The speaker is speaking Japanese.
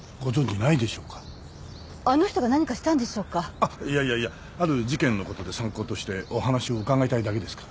ある事件の事で参考としてお話を伺いたいだけですから。